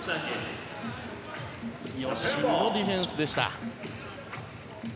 吉井のディフェンスでした。